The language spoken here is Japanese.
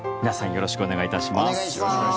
よろしくお願いします。